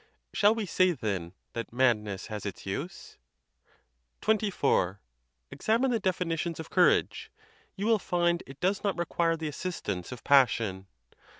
Shall we say, then, that madness has its use? XXIV. Examine the definitions of courage: you will find it does not require the assistance of passion.